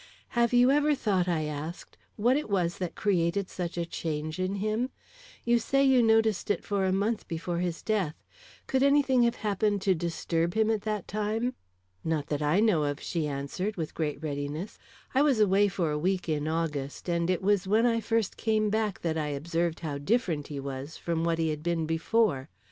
"Have you ever thought," I asked, "what it was that created such a change in him? You say you noticed it for a month before his death; could any thing have happened to disturb him at that time?" "Not that I know of," she answered, with great readiness. "I was away for a week in August, and it was when I first came back that I observed how different he was from what he had been before.